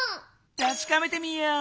たしかめてみよう！